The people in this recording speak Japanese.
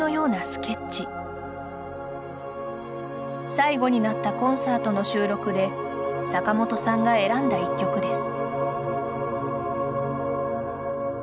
最後になったコンサートの収録で坂本さんが選んだ１曲です。